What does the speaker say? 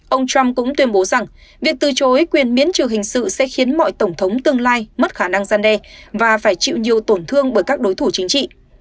ông trump cũng tuyên bố rằng việc từ chối quyền miễn trừ hình sự sẽ khiến mọi tổng thống tương lai mất khả năng gian đe và phải chịu nhiều tổn thương bởi các đối thủ chính trị